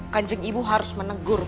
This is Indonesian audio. kan jeng ibu harus menegur